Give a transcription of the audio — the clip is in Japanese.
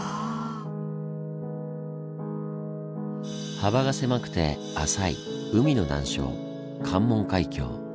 幅が狭くて浅い海の難所関門海峡。